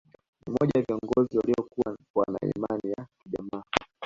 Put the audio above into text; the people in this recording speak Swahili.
Ni mmoja wa viongozi waliokua wana Imani ya kijamaa